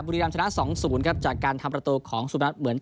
บุรีรามชนะสองศูนย์ครับจากการทำประตูของสุดนัดเหมือน